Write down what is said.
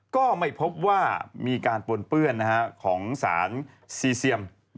ก็ไม่พบว่ามีการปนเปื้อนของสารซีเซียม